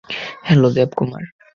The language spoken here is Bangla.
হ্যালো, দেবকুমার?